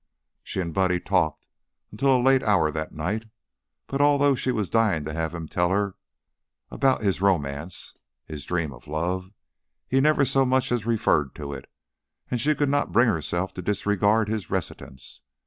She and Buddy talked until a late hour that night, but although she was dying to have him tell her about his romance, his dream of love, he never so much as referred to it, and she could not bring herself to disregard his reticence.